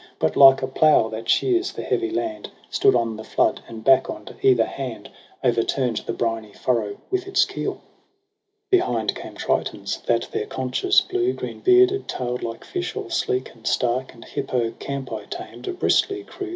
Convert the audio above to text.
But like a plough that shears the heavy land Stood on the flood, and back on either hand O'erturn'd the briny furrow with its keel. MARCH 8y 30 Behind came Tritons, that their conches blew, Greenbearded, tail'd like fish, all sleek and stark j And hippocampi tamed, a bristly crew.